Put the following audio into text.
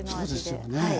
そうですよね。